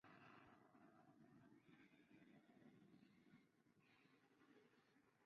Juega de centrocampista y su equipo actual es el Olympiacos de El Pireo.